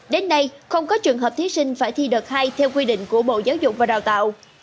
đến nay không có trường hợp thí sinh phải thi đợt hai theo quy định của bộ giáo dục và đào tạo